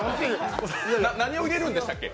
何を入れるんでしたっけ？